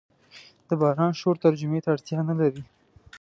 د باران شور ترجمې ته اړتیا نه لري.